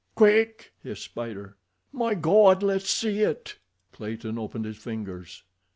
"Quick!" hissed Spider. "My Gawd, let's see it." Clayton opened his fingers.